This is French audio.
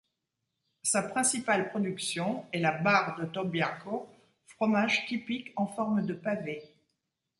Sa principale production est la Barre de Dobbiaco, fromage typique en forme de pavé.